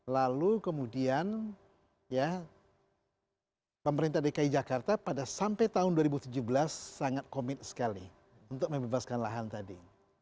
lalu kemudian ya pemerintah dki jakarta pada sampai tahun dua ribu tujuh belas sangat komit sekali untuk membebaskan lahan tadi